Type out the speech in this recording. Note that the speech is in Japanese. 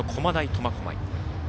苫小牧。